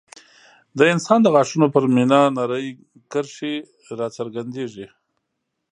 د انسان د غاښونو پر مینا نرۍ کرښې راڅرګندېږي.